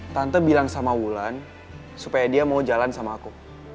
tante bilang sama wulan supaya dia mau jalan sama aku